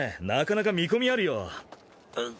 なかなか見込みあるよ。うっ。